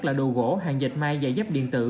là đồ gỗ hàng dẹp may da dẹp điện tử